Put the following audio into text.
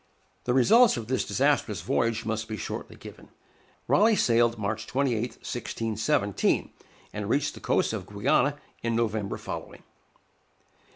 The results of this disastrous voyage must be shortly given. Raleigh sailed March 28, 1617, and reached the coast of Guiana in November following.